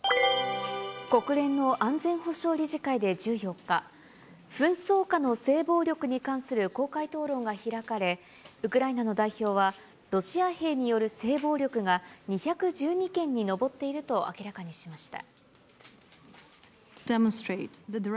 国連の安全保障理事会で１４日、紛争下の性暴力に関する公開討論が開かれ、ウクライナの代表は、ロシア兵による性暴力が２１２件に上っていると明らかにしました。